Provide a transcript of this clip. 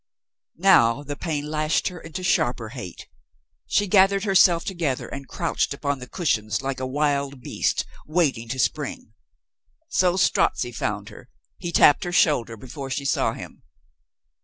Now the pain lashed her into sharper hate. She gathered herself together and crouched upon the cushions like a wild beast waiting to spring. ... So Strozzi found her. He tapped her shoulder before she saw him.